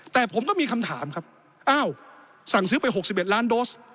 แต่ผมก็มีคำถามครับอ้าวสั่งซื้อไป๖๑ล้านโดส